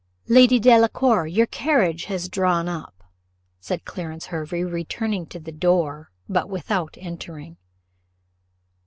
"Lady Delacour, your carriage has drawn up," said Clarence Hervey, returning to the door, but without entering.